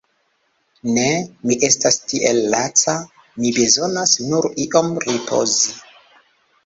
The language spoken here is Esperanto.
Ne, mi estas tiel laca, mi bezonas nur iom ripozi.